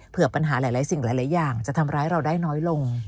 เพื่อปัญหาหลายสิ่งหลายอย่างจะทำร้ายเราได้น้อยลง